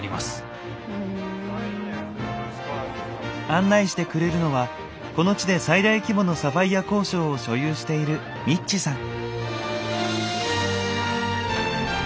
案内してくれるのはこの地で最大規模のサファイア鉱床を所有しているミッチさん。